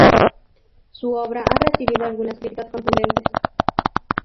Su obra ha recibido algunas críticas contundentes.